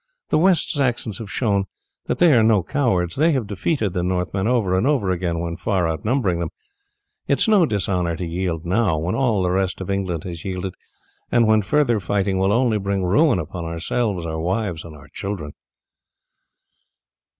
The West Saxons have showed that they are no cowards; they have defeated the Northmen over and over again when far outnumbering them. It is no dishonour to yield now when all the rest of England has yielded, and when further fighting will only bring ruin upon ourselves, our wives, and children."